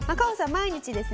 毎日ですね